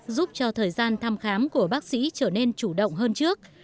giúp cho thời gian thăm khám của bác sĩ trở nên chủ động hơn trước